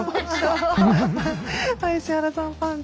石原さん